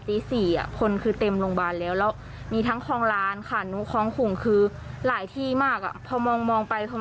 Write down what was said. ตี๔คนคือเต็มโรงพยาบาลแล้วแล้วมีทั้งคลองร้านค่ะหนูคลองขุงคือหลายที่มากอ่ะพอมองไปพอ